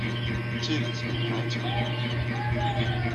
D tidet, akka i ttxemmimeɣ.